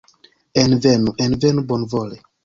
Envenu, envenu bonvole!